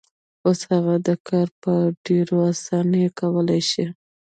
اوس هغه دا کار په ډېرې اسانۍ کولای شي.